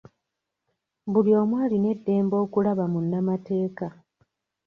Buli omu alina eddembe okulaba munnamateeka.